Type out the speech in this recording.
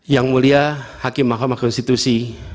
yang mulia hakim mahkamah konstitusi